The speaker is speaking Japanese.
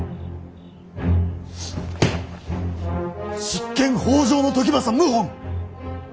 執権北条時政謀反。